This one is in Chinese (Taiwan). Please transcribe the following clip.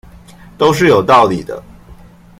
都是有道理的